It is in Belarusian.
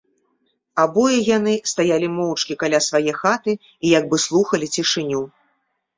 Абое яны стаялі моўчкі каля свае хаты і як бы слухалі цішыню.